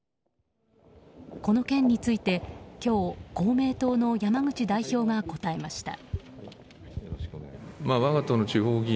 この件について公明党の山口代表が答えました。